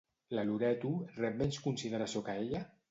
La Loreto rep menys consideració que ella?